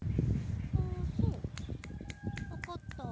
あそうわかった。